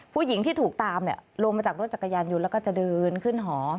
ผู้หญิงที่ถูกตามลงมาจากรถจักรยานยนต์แล้วก็จะเดินขึ้นหอ